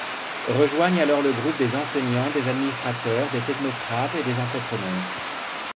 Rejoignent alors le groupe des enseignants, des administrateurs, des technocrates et des entrepreneurs.